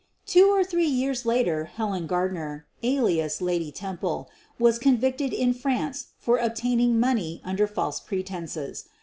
Two or three years later Helen Gardner, alias Lady Temple, was convicted in France for obtaining money under false pretenses.